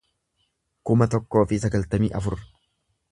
kuma tokkoo fi sagaltamii afur